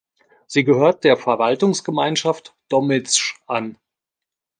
Sie gehört der Verwaltungsgemeinschaft Dommitzsch an.